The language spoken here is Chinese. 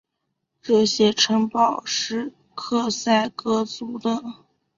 这些城堡是克塞格族的。